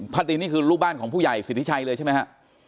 ตีนนี่คือลูกบ้านของผู้ใหญ่สิทธิชัยเลยใช่ไหมฮะ